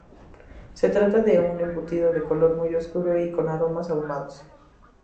Se trata de un embutido de color muy oscuro y con aromas ahumados.